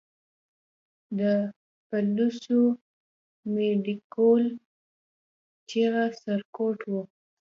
د پلوڅو، منډکول چغه سر، ګټ و